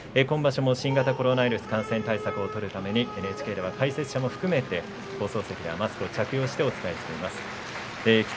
今場所も新型コロナウイルスの感染対策を取るためにＮＨＫでは解説者も含めて放送席ではマスクを着用してお伝えしています。